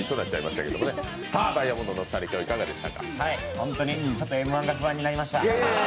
ホントに、ちょっと「Ｍ−１」が不安になりました。